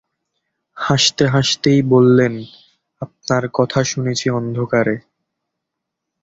হাসতে-হাসতেই বললেন, আপনার কথা শুনেছি অন্ধকারে।